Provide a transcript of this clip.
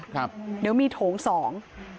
ครับเดี๋ยวมีโถงสอง